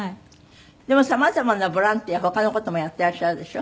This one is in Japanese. でも様々なボランティア他の事もやってらっしゃるでしょ？